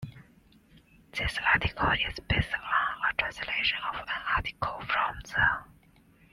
"This article is based on a translation of an article from the "